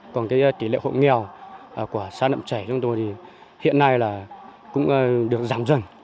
còn tỷ lệ hộ nghèo của xã đậm trẻ chúng tôi hiện nay cũng được giảm dần